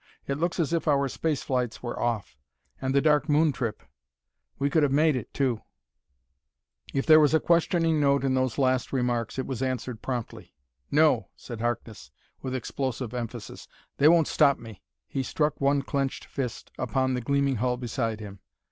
It looks as if our space flights were off. And the Dark Moon trip! We could have made it, too." If there was a questioning note in those last remarks it was answered promptly. "No!" said Harkness with explosive emphasis. "They won't stop me." He struck one clenched fist upon the gleaming hull beside him.